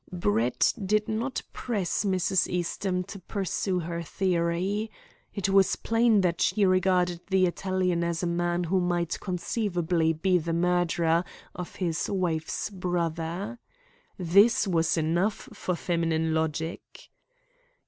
Brett did not press Mrs. Eastham to pursue her theory. It was plain that she regarded the Italian as a man who might conceivably be the murderer of his wife's brother. This was enough for feminine logic.